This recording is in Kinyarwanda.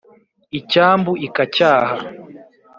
icyambu ikacyaha